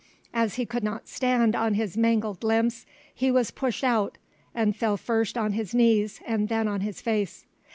As he could not stand on his mangled limbs, he was pushed out, and fell first on his knees and then on his face.